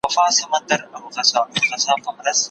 که همکاري وي نو کار نه ځنډېږي.